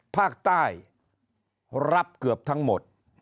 ภาคใต้รับเกือบทั้งหมด